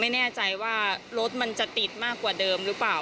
ไม่แน่ใจว่ารถมันจะติดมากกว่าเดิมหรือเปล่า